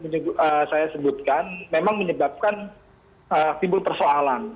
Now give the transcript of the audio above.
yang saya sebutkan memang menyebabkan timbul persoalan